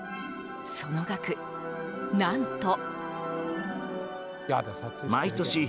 その額、何と。